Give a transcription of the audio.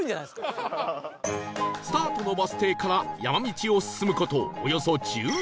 スタートのバス停から山道を進む事およそ１２キロ